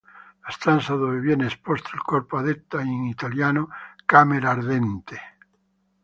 La stanza dove viene esposto il corpo è detta in italiano "camera ardente".